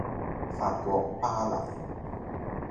法國巴黎